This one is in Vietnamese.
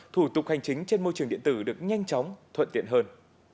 thủ tục hành chính trên môi trường điện tử được nhanh chóng thuận tiện hơn